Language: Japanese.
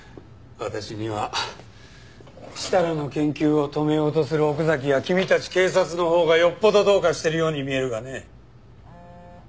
私には設楽の研究を止めようとする奥崎や君たち警察のほうがよっぽどどうかしてるように見えるがね。